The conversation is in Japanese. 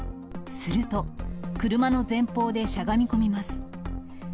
すると、車の前方でしゃがみこみます。